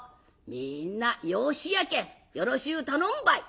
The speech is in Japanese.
みんな養子やけんよろしゅう頼むばい」。